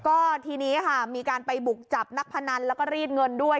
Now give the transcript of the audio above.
ก็ทีนี้ค่ะมีการไปบุกจับนักพนันแล้วก็รีดเงินด้วย